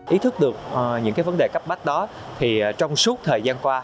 ý thức được những vấn đề cấp bách đó thì trong suốt thời gian qua